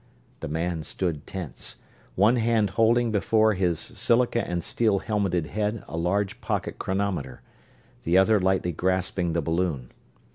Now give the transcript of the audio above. The man stood tense, one hand holding before his silica and steel helmeted head a large pocket chronometer, the other lightly grasping the balloon.